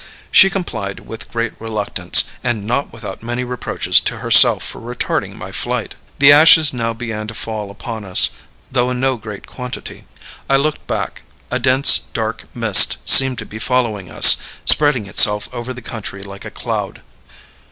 She complied with great reluctance, and not without many reproaches to herself for retarding my flight. The ashes now began to fall upon us, though in no great quantity. I looked back; a dense, dark mist seemed to be following us, spreading itself over the country like a cloud.